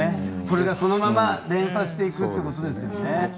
それがそのまま連鎖していくってことですよね。